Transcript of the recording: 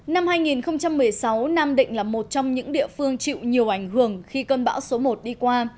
năm hai nghìn một mươi sáu nam định là một trong những địa phương chịu nhiều ảnh hưởng khi cơn bão số một đi qua